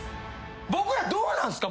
僕らどうなんすか？